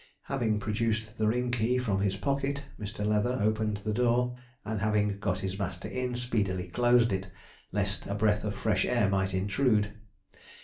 Having produced the ring key from his pocket, Mr. Leather opened the door, and having got his master in, speedily closed it, lest a breath of fresh air might intrude.